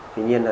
tuy nhiên là